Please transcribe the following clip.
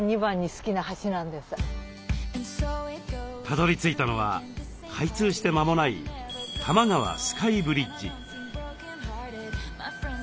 たどりついたのは開通して間もない多摩川スカイブリッジ。